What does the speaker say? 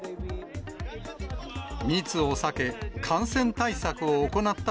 密を避け、感染対策を行った